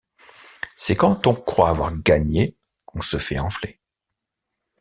C'est quand on croit avoir gagné qu'on se fait enfler.